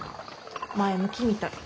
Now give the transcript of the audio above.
前向きみたい。